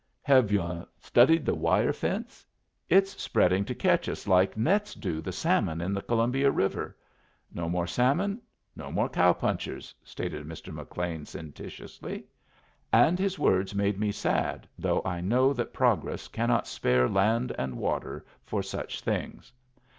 Have yu' studied the wire fence? It's spreading to catch us like nets do the salmon in the Columbia River. No more salmon, no more cow punchers," stated Mr. McLean, sententiously; and his words made me sad, though I know that progress cannot spare land and water for such things.